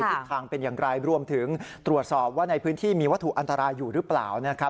ทิศทางเป็นอย่างไรรวมถึงตรวจสอบว่าในพื้นที่มีวัตถุอันตรายอยู่หรือเปล่านะครับ